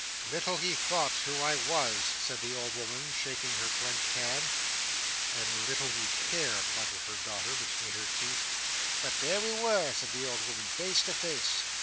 "Little he thought who I was!" said the old woman, shaking her clenched hand. "And little he cared!" muttered her daughter, between her teeth. "But there we were, said the old woman, "face to face.